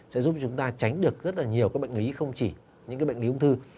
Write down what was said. sẽ giúp chúng ta tránh được rất là nhiều các bệnh lý không chỉ những bệnh lý ung thư